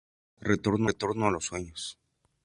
Retorno a los sueños.